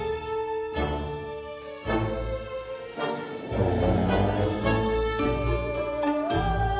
うん？